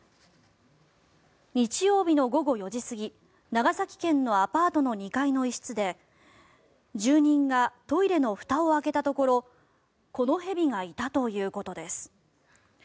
日曜日の午後４時過ぎ長崎県のアパートの２階の一室で住人がトイレのふたを開けたところこの蛇がいたということです。